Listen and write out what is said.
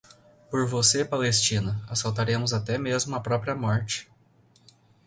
Por você, Palestina, assaltaremos até mesmo a própria morte